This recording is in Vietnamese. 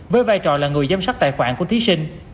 với vai trò là người giám sát tài khoản của thí sinh